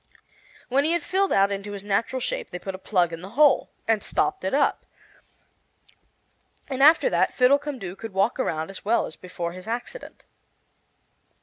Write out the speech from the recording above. When he had filled out into his natural shape they put a plug in the hole, and stopped it up; and after that Fiddlecumdoo could walk around as well as before his accident.